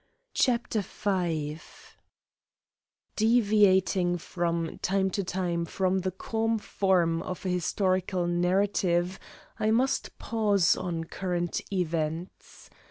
CHAPTER V Deviating from time to time from the calm form of a historical narrative I must pause on current events.